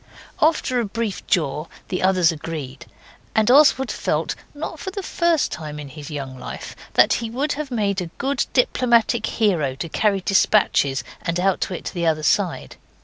After a brief jaw the others agreed, and Oswald felt, not for the first time in his young life, that he would have made a good diplomatic hero to carry despatches and outwit the other side.